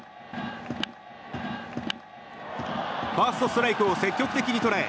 ファーストストライクを積極的に捉え